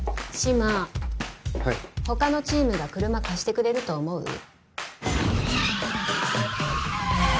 志摩はい他のチームが車貸してくれると思う？